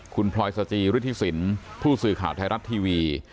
คุณพลอยสจิฤทธิสินผู้สื่อข่าวไทยรัฐทีวี